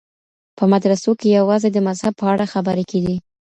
په مدرسو کي يوازې د مذهب په اړه خبري کېدې.